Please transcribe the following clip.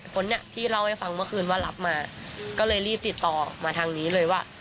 คนนี้ที่เล่าให้ฟังเมื่อคืนว่ารับมาก็เลยรีบติดต่อมาทางนี้เลยว่า